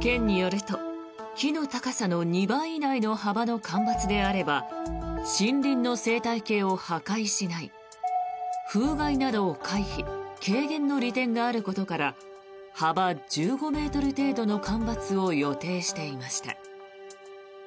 県によると木の高さの２倍以内の幅の間伐であれば森林の生態系を破壊しない風害などを回避・軽減の利点があることなどから幅１５ｍ程度の間伐を予定していました。